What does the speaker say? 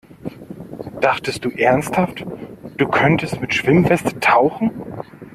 Dachtest du ernsthaft, du könntest mit Schwimmweste tauchen?